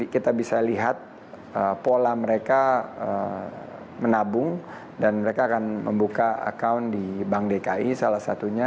kita bisa lihat pola mereka menabung dan mereka akan membuka account di bank dki salah satunya